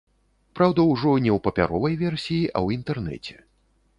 Праўда, ужо не ў папяровай версіі, а ў інтэрнэце.